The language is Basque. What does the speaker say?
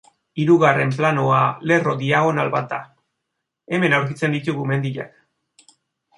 Hirugarren planoa lerro diagonal bat da, hemen aurkitzen ditugu mendiak.